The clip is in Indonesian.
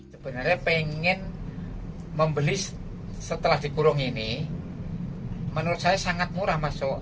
sebenarnya pengen membeli setelah dikurung ini menurut saya sangat murah masuk